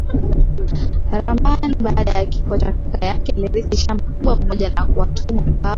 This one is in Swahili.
ramaniBaada ya kifo cha kaka yake alirithi shamba kubwa pamoja na watumwa akawa